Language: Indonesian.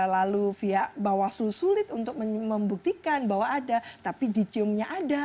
lalu via bawaslu sulit untuk membuktikan bahwa ada tapi diciumnya ada